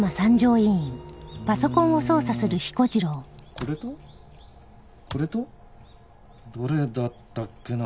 これとこれとどれだったっけな？